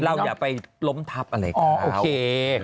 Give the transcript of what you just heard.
เราอย่าไปล้มทัพอะไรก็แล้ว